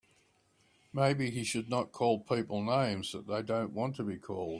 Maybe he should not call people names that they don't want to be called.